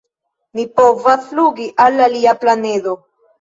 "Ni povas flugi al alia planedo!"